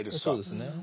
そうですね。